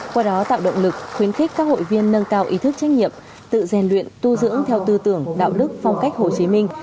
qua đó tạo động lực khuyến khích các hội viên nâng cao ý thức trách nhiệm tự rèn luyện tu dưỡng theo tư tưởng đạo đức phong cách hồ chí minh